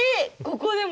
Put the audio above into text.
ここでも？